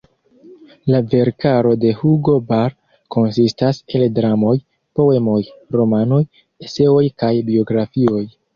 La verkaro de Hugo Ball konsistas el dramoj, poemoj, romanoj, eseoj kaj biografioj.